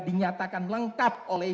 dinyatakan lengkap oleh